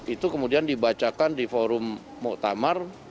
itu kemudian dibacakan di forum muktamar